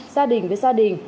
gia đình với gia đình